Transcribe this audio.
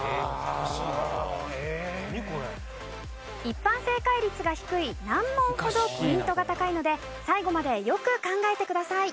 一般正解率が低い難問ほどポイントが高いので最後までよく考えてください。